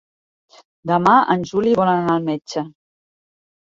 Demà en Juli vol anar al metge.